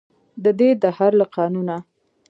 ددې دهر له قانونه.